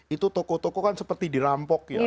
itu toko toko kan seperti dirampok ya